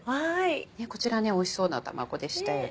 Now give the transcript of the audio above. こちらおいしそうな卵でしたよね。